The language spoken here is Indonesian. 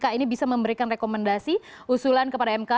dan ini bisa memberikan rekomendasi usulan kepada mk